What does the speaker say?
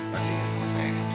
masih ingat semua saya ini